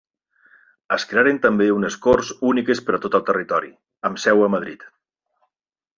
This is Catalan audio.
Es crearen també unes Corts úniques per a tot el territori, amb seu a Madrid.